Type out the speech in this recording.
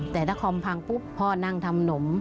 แต่ถ้าคอมพังปุ๊บพ่อนั่งทำหนม